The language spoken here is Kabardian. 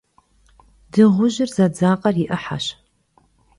Dığujır zedzakher yi 'ıheş.